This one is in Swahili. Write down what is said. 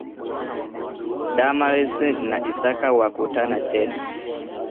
Damaris na Isaka Wakutana Tena